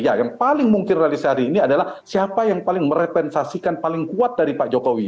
ya yang paling mungkin realis hari ini adalah siapa yang paling merepensasikan paling kuat dari pak jokowi